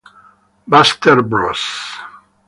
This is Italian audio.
Buster Bros!!!